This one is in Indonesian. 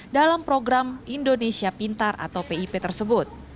dalam program indonesia pintar atau pip tersebut